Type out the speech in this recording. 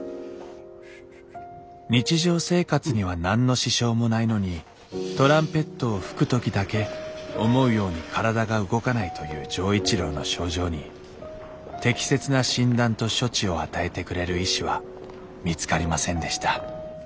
日常生活には何の支障もないのにトランペットを吹く時だけ思うように体が動かないという錠一郎の症状に適切な診断と処置を与えてくれる医師は見つかりませんでした